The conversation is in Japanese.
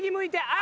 あ。